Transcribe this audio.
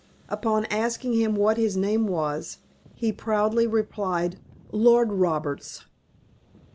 Upon asking him what his name was, he proudly replied, "Lord Roberts."